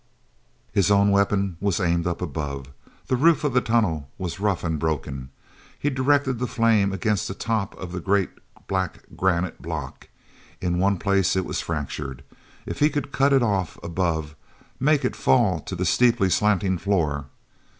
His own weapon was aimed up above. The roof of the tunnel was rough and broken. He directed the flame against the top of a great black granite block. In one place it was fractured. If he could cut it off above, make it fall to the steeply slanting floor....